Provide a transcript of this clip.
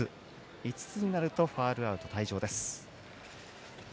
５つになるとファウルアウト退場です。